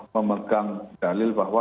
memegang dalil bahwa